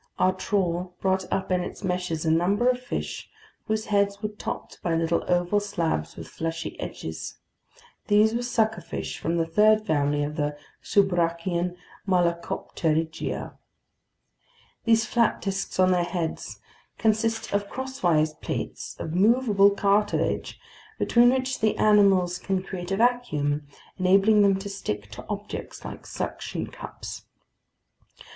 Our trawl brought up in its meshes a number of fish whose heads were topped by little oval slabs with fleshy edges. These were suckerfish from the third family of the subbrachian Malacopterygia. These flat disks on their heads consist of crosswise plates of movable cartilage, between which the animals can create a vacuum, enabling them to stick to objects like suction cups.